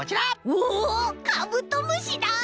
おおカブトムシだ！